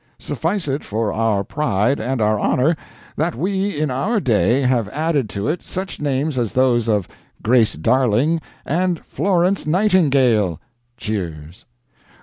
] Suffice it for our pride and our honor that we in our day have added to it such names as those of Grace Darling and Florence Nightingale. [Cheers.